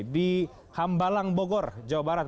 di hambalang bogor jawa barat